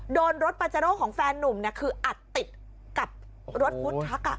โดนรถปาเจโร่ของแฟนนุ่มคืออัดติดกับรถฟุตทัก